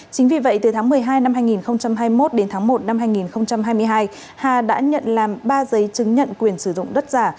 chính vì vậy từ tháng một mươi hai năm hai nghìn hai mươi một đến tháng một năm hai nghìn hai mươi hai hà đã nhận làm ba giấy chứng nhận quyền sử dụng đất giả